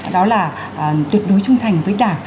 đó là tuyệt đối trung thành với đảng